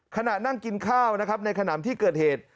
ขณะนั่งกินข้าวนะครับในขนำที่เกิดเหตุ